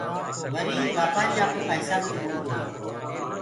وري وآپآري آپوڪآ هسابو دي ٻولدوئي